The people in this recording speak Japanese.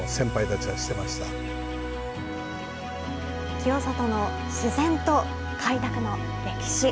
清里の自然と開拓の歴史。